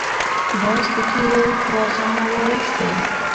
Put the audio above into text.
باز د تېرو بازانو وارث دی